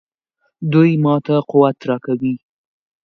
دوی ماته قوت راکوي.